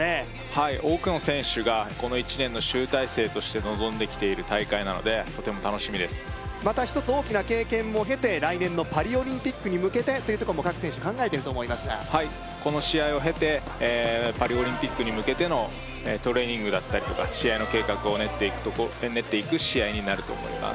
はい多くの選手がこの１年の集大成として臨んできている大会なのでとても楽しみですまた一つ大きな経験も経て来年のパリオリンピックに向けてというとこも各選手考えてると思いますがはいこの試合を経てパリオリンピックに向けてのトレーニングだったりとか試合の計画を練っていく試合になると思います